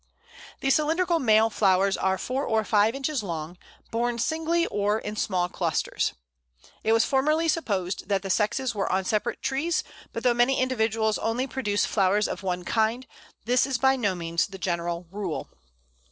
The cylindrical male flowers are four or five inches long, borne singly or in small clusters. It was formerly supposed that the sexes were on separate trees, but though many individuals only produce flowers of one kind, this is by no means the general rule.